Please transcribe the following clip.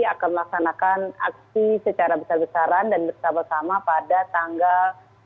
akan melaksanakan aksi secara besar besaran dan bersama sama pada tanggal